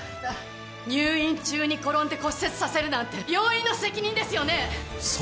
入院中に転んで骨折させるなんて病院の責任ですよね。